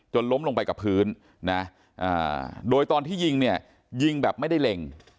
ล้มลงไปกับพื้นนะโดยตอนที่ยิงเนี่ยยิงแบบไม่ได้เล็ง